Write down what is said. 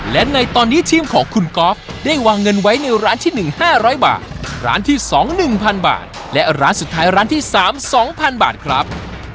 และในตอนนี้ทีมของคุณก๊อฟได้วางเงินไว้ในร้านที่๑๕๐๐บาทร้านที่๒๑๐๐บาทและร้านสุดท้ายร้านที่๓๒๐๐๐บาทครับ